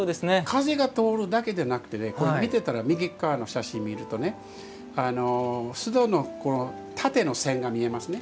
風が通るだけでなくてね見てたら右っ側の写真見るとね簾戸の縦の線が見えますね。